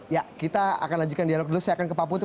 ya kita akan lanjutkan dialog dulu saya akan ke pak putu